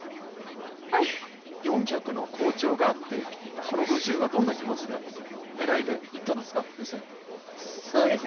４００の好調があってこの５０は、どんな気持ちねらいでいったんですか？